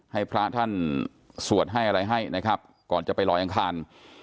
ให้พระท่านสวดให้อะไรให้นะครับก่อนจะไปลอยอังคาร